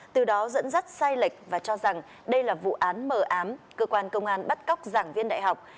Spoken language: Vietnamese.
từ đó dẫn dắt sai lệch và cho rằng đây là vụ án mờ ám cơ quan công an bắt cóc giảng viên đại học